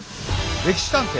「歴史探偵」。